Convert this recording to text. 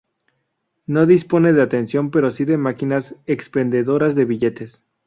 No dispone de atención pero sí de máquinas expendedoras de billetes.